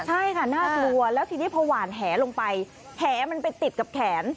ใช่ค่ะน่ากลัวแล้วทีนี้พอหวานแหลงไปแหมันไปติดกับแขน